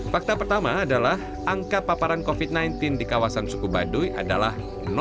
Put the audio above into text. fakta pertama adalah angka paparan covid sembilan belas di kawasan suku baduy adalah